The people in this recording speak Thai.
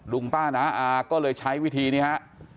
ลุงป้าน้าอาก็เลยใช้วิธีนี้ฮะ